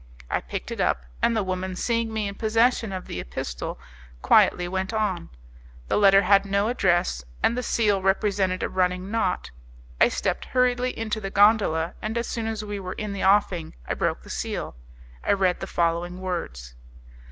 I picked it up, and the woman, seeing me in possession of the epistle, quietly went on. The letter had no address, and the seal represented a running knot. I stepped hurriedly into the gondola, and as soon as we were in the offing I broke the seal. I read the following words.